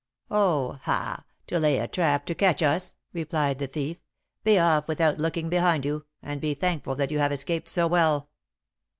"Oh! ah! to lay a trap to catch us," replied the thief. "Be off, without looking behind you, and be thankful that you have escaped so well."